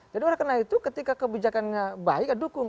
jadi oleh karena itu ketika kebijakannya baik ya dukung